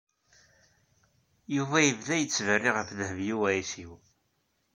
Yuba yebda yettberri ɣef Dehbiya u Ɛisiw.